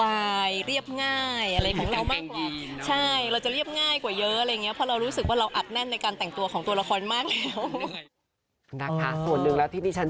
การใช้ชีวิตอะไรอย่างเงี้ย